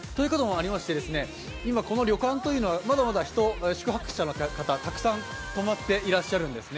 今この旅館というのはまだ宿泊者の方たくさん泊まっていらっしゃるんですね。